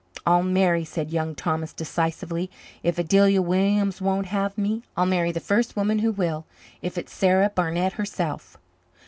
"I'll marry," said Young Thomas decisively. "If Adelia Williams won't have me, I'll marry the first woman who will, if it's Sarah Barnett herself."